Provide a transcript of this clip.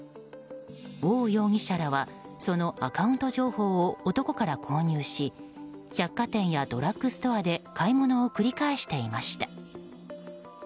オウ容疑者らはそのアカウント情報を男から購入し百貨店やドラッグストアで買い物を繰り返していました。